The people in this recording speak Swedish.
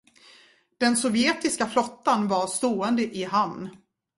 Den sovjetiska flottan var stående i hamn.